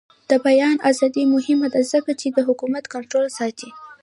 د بیان ازادي مهمه ده ځکه چې د حکومت کنټرول ساتي.